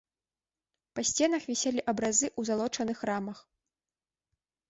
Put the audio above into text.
Па сценах віселі абразы ў залочаных рамах.